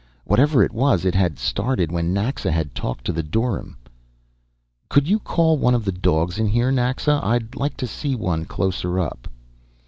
Whatever it was, it had started when Naxa had talked to the dorym. "Could you call one of the dogs in here, Naxa? I'd like to see one closer up."